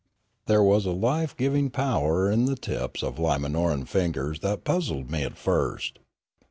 There was a life giving power in the tips of Lima noran fingers that puzzled me at first.